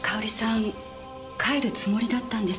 帰るつもりだったんです。